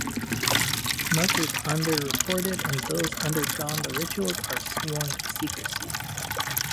Much is underreported and those undergone the ritual are sworn to secrecy.